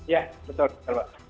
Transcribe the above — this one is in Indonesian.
ya betul pak